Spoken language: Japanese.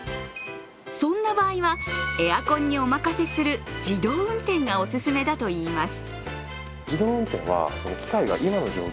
そんな場合はエアコンにお任せする自動運転がおすすめだといいます。